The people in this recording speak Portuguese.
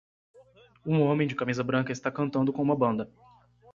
Um homem de camisa branca está cantando com uma banda.